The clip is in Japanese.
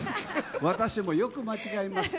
私もよく間違えます。